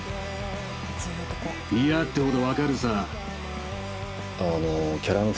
「嫌ってほど分かるさ」。